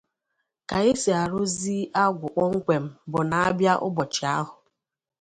Ka e si arụzị agwụ kpọmkwem bụ na a bịa ụbọchị ahụ